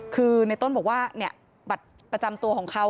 คือในต้นบอกว่าบัตรประจำตัวของเขา